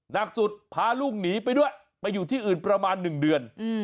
หนักสุดพาลูกหนีไปด้วยไปอยู่ที่อื่นประมาณ๑เดือน